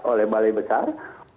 oleh bale besar